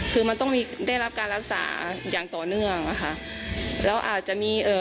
คือมันต้องมีได้รับการรักษาอย่างต่อเนื่องอ่ะค่ะแล้วอาจจะมีเอ่อ